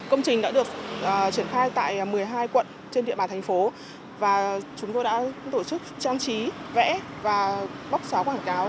công trình đã được triển khai tại một mươi hai quận trên địa bàn thành phố và chúng tôi đã tổ chức trang trí vẽ và bóc xóa quảng cáo